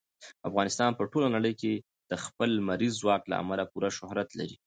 افغانستان په ټوله نړۍ کې د خپل لمریز ځواک له امله پوره شهرت لري.